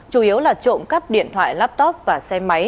chủ yếu là trộm cắp điện thoại laptop và xe máy